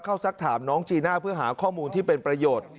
สักถามน้องจีน่าเพื่อหาข้อมูลที่เป็นประโยชน์